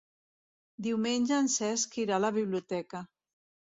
Diumenge en Cesc irà a la biblioteca.